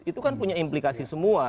itu kan punya implikasi semua